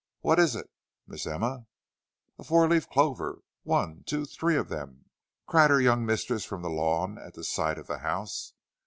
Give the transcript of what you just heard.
What is it, Miss Emma?" "A four leaved clover! one, two, three of them," cried her young mistress from the lawn at the side of the house.